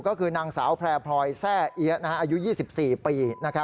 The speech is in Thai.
ก็คือนางสาวแพร่พลอยแซ่เอี๊ยะอายุ๒๔ปี